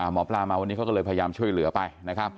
หมอปลามาวันนี้ก็เลยพยายามช่วยเหลือไป